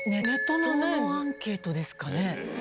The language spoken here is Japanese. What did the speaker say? ネットのアンケートですかね？